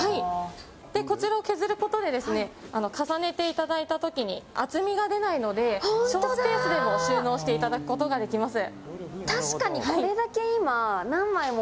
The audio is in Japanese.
こちらを削ることで重ねていただいた時に厚みが出ないので小スペースでも収納していただくことができます。